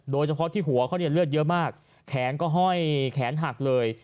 โดยเฉพาะที่หัวเขาเนี่ยเลือดเยอะมากแขนก็ห้อยแขนหักเลย